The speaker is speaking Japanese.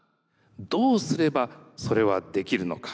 どうすればそれはできるのか？